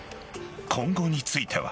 今後については。